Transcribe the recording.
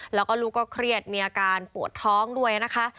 แล้วก็ลูกก็เครียดมีอาการปวดท้องด้วยนะคะ